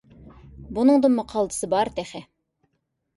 بۇنىڭدىنمۇ قالتىسى بار تېخى!